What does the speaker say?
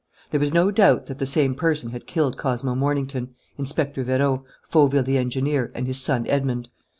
There was no doubt that the same person had killed Cosmo Mornington, Inspector Vérot, Fauville the engineer, and his son Edmond.